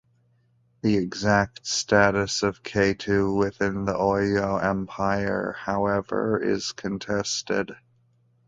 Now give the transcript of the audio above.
The exact status of Ketu within the Oyo empire however is contested.